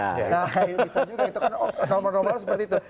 bisa juga itu kan nomor nomornya seperti itu